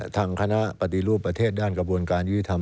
ทางคณะปฏิรูปประเทศด้านกระบวนการยุทธิธรรม